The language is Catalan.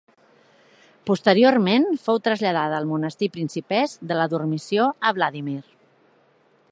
Posteriorment fou traslladada al Monestir Principesc de la Dormició a Vladímir.